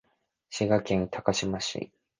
滋賀県高島市